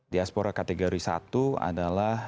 diaspora kategori satu adalah